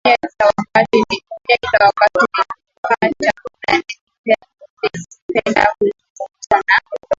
dunia Kila wakati nilipopata muda nilipenda kuzungumza na